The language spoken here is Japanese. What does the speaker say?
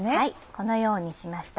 このようにしました。